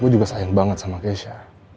gue juga sayang banget sama keisha